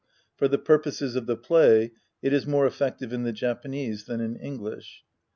For the purposes of the play, it is more effective in the Japanese than in English.